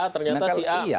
ternyata si a